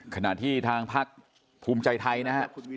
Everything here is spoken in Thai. คณะที่ทางภูมิใจไทย